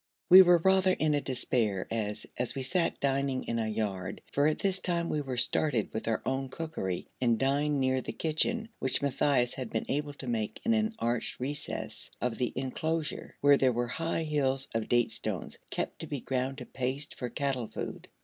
We were rather in despair as as we sat dining in a yard, for at this time we were started with our own cookery, and dined near the kitchen, which Matthaios had been able to make in an arched recess of the inclosure, where there were high hills of date stones, kept to be ground to paste for cattle food.